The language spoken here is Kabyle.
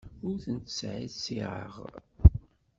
Ur ten-ttṣeɛṣiɛeɣ.